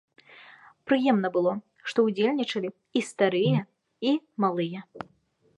Прыемна было, што ўдзельнічалі і старыя, і малыя.